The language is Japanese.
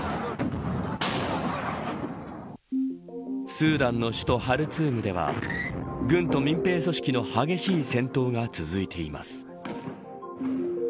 スーダンの首都ハルツームでは軍と民兵組織の激しい戦闘が続いています。